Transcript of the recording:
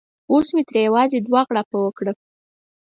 اوس مې ترې یوازې دوه غړپه وکړه.